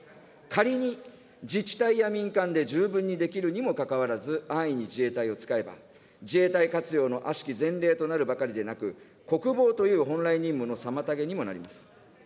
仮に自治体や民間で十分にできるにもかかわらず、安易に自衛隊を使えば、自衛隊活用の悪しき前例となるばかりでなく、国防という本来任務の妨げにもなります。